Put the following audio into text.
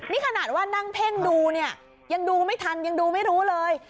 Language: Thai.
นี่ขนาดว่านั่งเพ่งดูเนี่ยยังดูไม่ทันยังดูไม่รู้เลย